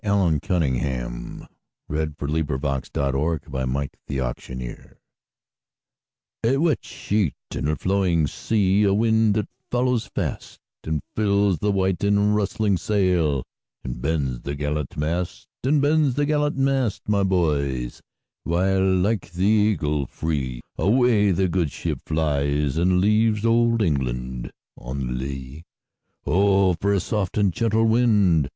Allan Cunningham CCV. "A wet sheet and a flowing sea" A WET sheet and a flowing sea,A wind that follows fastAnd fills the white and rustling sailAnd bends the gallant mast; And bends the gallant mast, my boys, While like the eagle freeAway the good ship flies, and leavesOld England on the lee."O for a soft and gentle wind!"